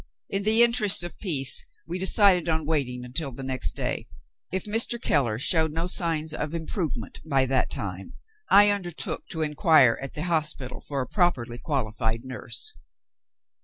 In the interests of peace we decided on waiting until the next day. If Mr. Keller showed no signs of improvement by that time, I undertook to inquire at the hospital for a properly qualified nurse.